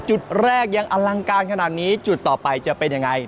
จุดแรกยังอลังการขนาดนี้จุดต่อไปจะเป็นยังไง